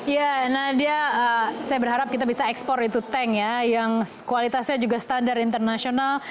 ya nadia saya berharap kita bisa ekspor itu tank ya yang kualitasnya juga standar internasional